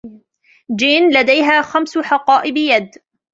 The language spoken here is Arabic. جين لديها خمس حقائب يد.